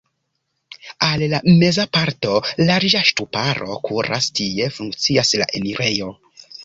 Al la meza parto larĝa ŝtuparo kuras, tie funkcias la enirejo.